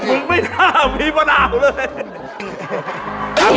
มันไม่น่าให้มีมะนาวเลย